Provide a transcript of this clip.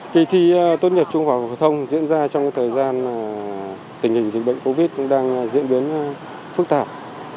kỳ thi tốt nhật trung hòa hội thông diễn ra trong thời gian tình hình dịch bệnh covid đang diễn biến phức tạp